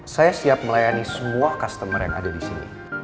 saya siap melayani semua customer yang ada disini